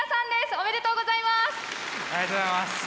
ありがとうございます！